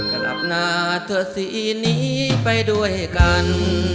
กลับหน้าเถอะสีนี้ไปด้วยกัน